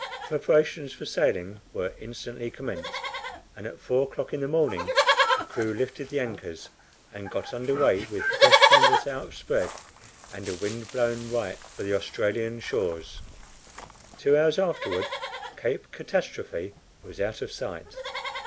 Preparations for sailing were instantly commenced, and at four o'clock in the morning the crew lifted the anchors, and got under way with fresh canvas outspread, and a wind blowing right for the Australian shores. Two hours afterward Cape Catastrophe was out of sight.